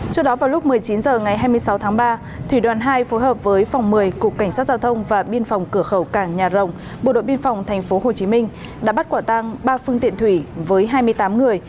trước đó vào lúc một mươi chín h ngày hai mươi sáu tháng ba thủy đoàn hai phối hợp với phòng một mươi cục cảnh sát giao thông và biên phòng cửa khẩu cảng nhà rồng bộ đội biên phòng tp hcm đã bắt quả tăng ba phương tiện thủy với hai mươi tám người